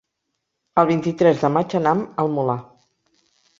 El vint-i-tres de maig anam al Molar.